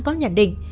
có nhận định